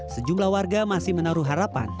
sejumlah warga masih menaruh harapan